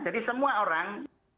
jadi semua orang